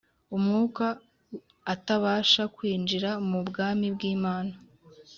Umwuka atabasha kwinjira mu bwami bw'Imana.